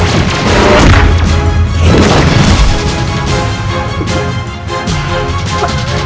tidak ada apa apa